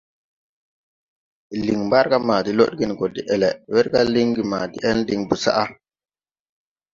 Liŋ Mbargā ma de lɔdgen gɔ deʼele, wɛrga lingi ma deʼel din bosaʼ.